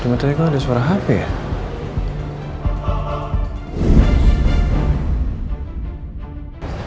cuma tadi kok ada suara handphone ya